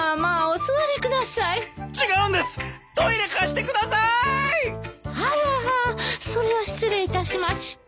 それは失礼いたしました。